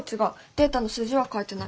データの数字は変えてない。